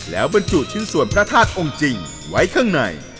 แล้วบรรจุชิ้นส่วนพระธาตุองค์จริงไว้ข้างใน